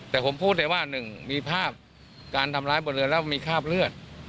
แต่ผมพูดเลยว่า๑มีภาพการทำร้ายบนเรือแล้วมีคราบเลือด